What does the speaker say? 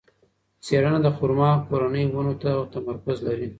څېړنه د خورما کورنۍ ونو ته تمرکز لري.